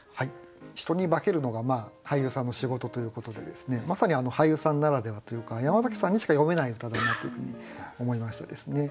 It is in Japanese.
人に化けるのが俳優さんの仕事ということでまさに俳優さんならではというか山崎さんにしか詠めない歌だなというふうに思いましたですね。